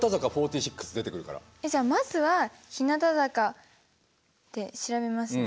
えっじゃあまずは日向坂で調べますね。